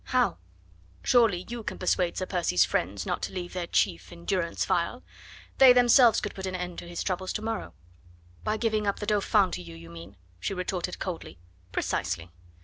"How?" "Surely you can persuade Sir Percy's friends not to leave their chief in durance vile. They themselves could put an end to his troubles to morrow." "By giving up the Dauphin to you, you mean?" she retorted coldly. "Precisely."